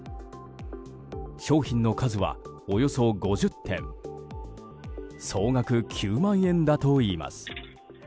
商品の数はおよそ５０点総額９万円だといいます。